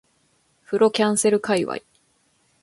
風呂キャンセル界隈